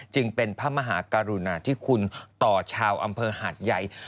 จึงเป็นพระมหากรุณาธิคุณต่อชาวอำเภอหาดใหญ่